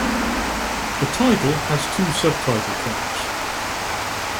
The title has two subtitle tracks.